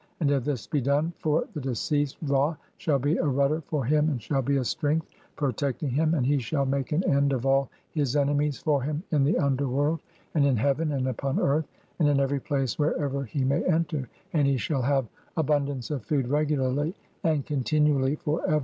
AND IF THIS BE DONE FOR THE DE CEASED RA SHALL BE A RUDDER FOR HIM AND SHALL BE A STRENGTH PROTECTING HIM, AND HE SHALL MAKE AN END OF ALL (i 9 ) HIS ENEMIES FOR HIM IN THE UNDERWORLD, AND IN HEAVEN, AND UPON EARTH, AND IN EVERY PLACE WHEREVER HE MAY ENTER, AND HE SHALL HAVE ABUN DANCE OF FOOD REGULARLY AND CONTINUALLY FOR EVER.